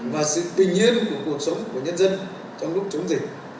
và sự bình yên của cuộc sống của nhân dân trong lúc chống dịch